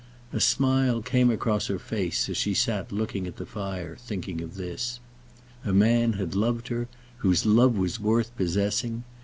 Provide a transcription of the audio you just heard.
A smile came across her face as she sat looking at the fire, thinking of this. A man had loved her, whose love was worth possessing.